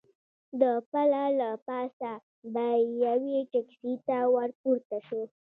د پله له پاسه به یوې ټکسي ته ور پورته شو.